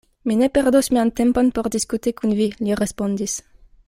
Mi ne perdos mian tempon por diskuti kun vi, li respondis.